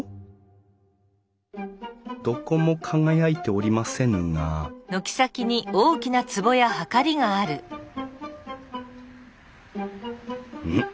どこも輝いておりませんがん？